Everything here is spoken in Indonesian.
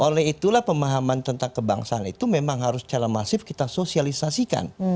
oleh itulah pemahaman tentang kebangsaan itu memang harus secara masif kita sosialisasikan